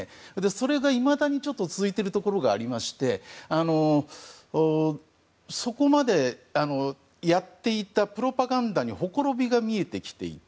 それが、いまだに続いているところがありましてそこまでやっていたプロパガンダにほころびが見えてきていて。